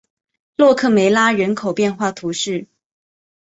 洛克梅拉人口变化图示